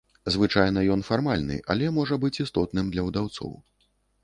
Звычайна ён фармальны, але можа быць істотным для ўдаўцоў.